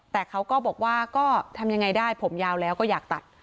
แต่เขาก็บอกว่าก็ทำยังไงได้ผมยาวแล้วก็อยากตัด